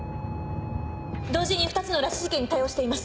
同時に２つの拉致事件に対応しています。